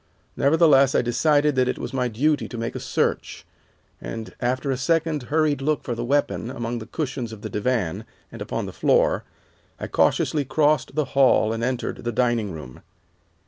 Nevertheless, I decided that it was my duty to make a search, and after a second hurried look for the weapon among the cushions of the divan, and upon the floor, I cautiously crossed the hall and entered the dining room.